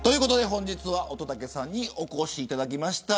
本日は乙武さんにお越しいただきました。